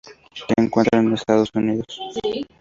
Se encuentran en Estados Unidos.